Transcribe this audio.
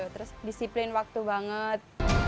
terus disiplin waktu banget